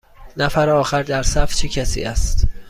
نفر آخر در صف چه کسی است؟